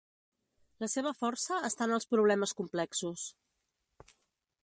La seva força està en els problemes complexos.